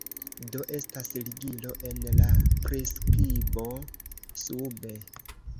Do, estas ligilo en la priskibo sube